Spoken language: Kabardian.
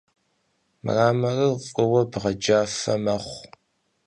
Mramorır f'ıue bğecafe mexhu.